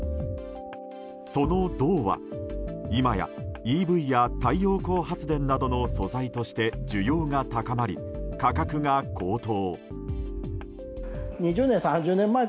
その銅は今、ＥＶや太陽光発電などの素材として需要が高まり、価格が高騰。